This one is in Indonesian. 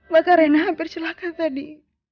maka rena hampir silakan tadi